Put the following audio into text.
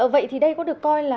vậy thì đây có được gì không ạ